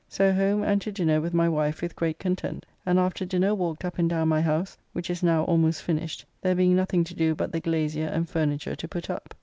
So home and to dinner with my wife with great content, and after dinner walked up and down my house, which is now almost finished, there being nothing to do but the glazier and furniture to put up.